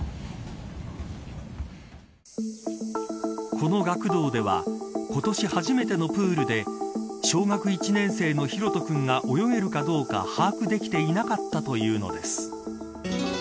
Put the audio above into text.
この学童では今年初めてのプールで小学１年生の大翔君が泳げるかどうか把握できていなかったというのです。